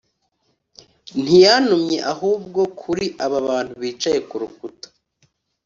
Ntiyantumye ahubwo kuri aba bantu bicaye ku rukuta,